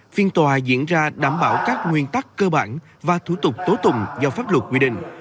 phiên tòa diễn ra đảm bảo các nguyên tắc cơ bản và thủ tục tố tùng do pháp luật quy định